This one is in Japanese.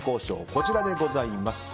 こちらでございます。